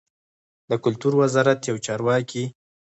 د کلتور وزارت یو چارواکي